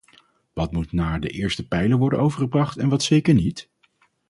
Wat moet naar de eerste pijler worden overgebracht en wat zeker niet?